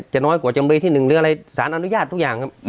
น้อยกว่าจำเลยที่๑หรืออะไรสารอนุญาตทุกอย่างครับ